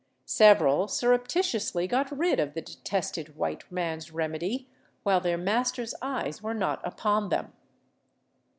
Several surreptitiously got rid of the detested white man's remedy while their master's eyes were not upon them.